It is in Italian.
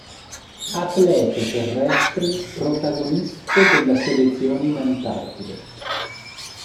Atlete terrestri protagoniste della selezione in Antartide.